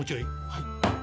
はい。